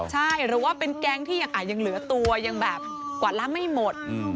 ใช่หรือว่าเป็นแก๊งที่ยังเหลือตัวยังแบบกวาดล้างไม่หมด